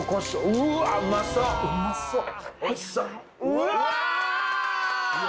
うわ！